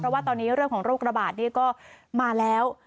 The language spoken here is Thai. เพราะว่าตอนนี้เรื่องของโรคระบาดนี่ก็มาแล้ว